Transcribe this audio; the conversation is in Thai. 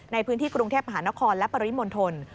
ในพื้นที่กรุงเทพมหานครและปริมณฑล